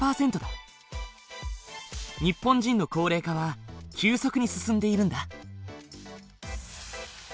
日本人の高齢化は急速に進んでいるんだ。